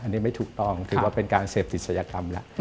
อันนี้ไม่ถูกต้องถือว่าเป็นการเสพติดศัยกรรมแล้ว